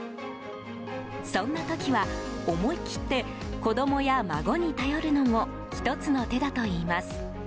そんな時は思い切って子供や孫に頼よるのも１つの手だといいます。